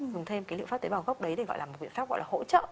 dùng thêm cái liệu pháp tế bào gốc đấy để gọi là một biện pháp gọi là hỗ trợ